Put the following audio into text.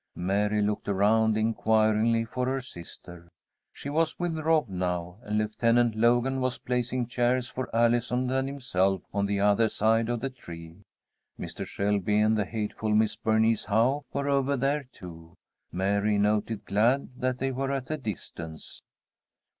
Mary looked around inquiringly for her sister. She was with Rob now, and Lieutenant Logan was placing chairs for Allison and himself on the other side of the tree. Mr. Shelby and the hateful Miss Bernice Howe were over there, too, Mary noted, glad that they were at a distance.